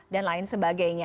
dan lain sebagainya